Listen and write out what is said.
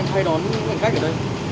hay đón những hành khách ở đây